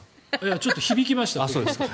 ちょっと響きました。